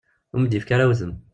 Ur am-d-yefki ara udem.